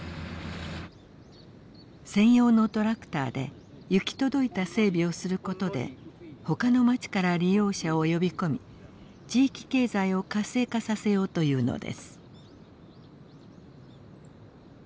専用のトラクターで行き届いた整備をすることでほかの町から利用者を呼び込み地域経済を活性化させようというのです。